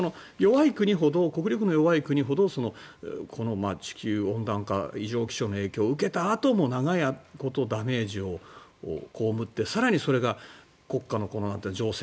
国力の弱い国ほど地球温暖化異常気象の影響を受けたあとも長い間、ダメージを被って更にそれが国家の情勢